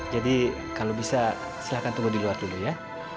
jadi kalau bisa silahkan tunggu di luar dulu ya